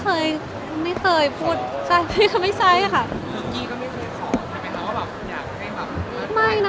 กี้ก็ไม่เคยขอทำไมเขาอยากให้แบบ